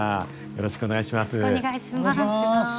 よろしくお願いします。